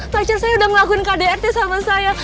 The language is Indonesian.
pacar saya udah ngakuin kdrt sama saya